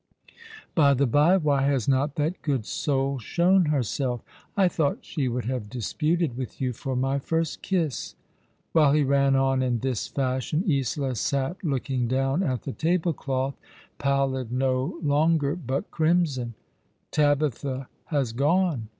By the by, why has not that good soul shown herself? I thought she would have disputed with you for my first kiss." While he ran on in this fashion, Isola sat looking dov/n at the table cloth, pallid no longer, but crimson. " Tabitha has gone